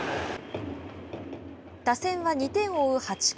打線は２点を追う８回。